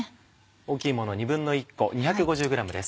大きいもの１／２個２５０ｇです。